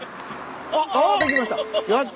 あできました！